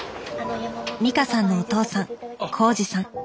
美香さんのお父さん孝治さん。